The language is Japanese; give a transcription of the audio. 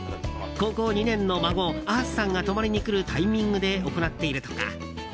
高校２年の孫あーすさんが泊まりに来るタイミングで行っているとか。